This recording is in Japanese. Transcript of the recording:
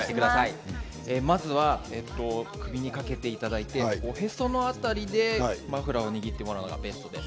まずは首にかけていただいて、おへその辺りでマフラーを握ってもらうのがベストです。